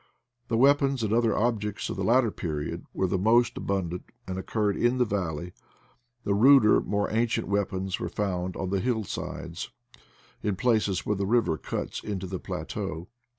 The weapons and other objects of the latter period were the most abundant, and occurred in the valley: the ruder more ancient weapons were found on the hill sides, in places where the river cuts into the plateau.